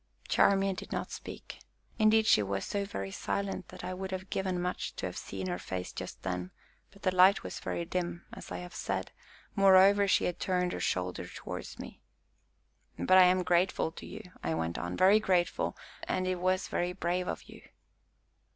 Charmian did not speak; indeed she was so very silent that I would have given much to have seen her face just then, but the light was very dim, as I have said, moreover she had turned her shoulder towards me. "But I am grateful to you," I went on, "very grateful, and it was very brave of you!"